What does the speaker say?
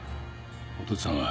おとっつあんは？